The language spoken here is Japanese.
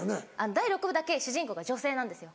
第６部だけ主人公が女性なんですよ。